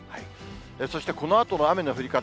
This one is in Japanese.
そしてこのあとの雨の降り方。